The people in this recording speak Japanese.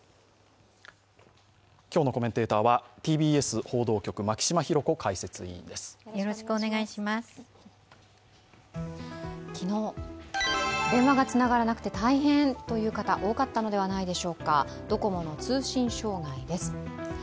今日のコメンテーターはＴＢＳ報道局・牧嶋博子解説委員です。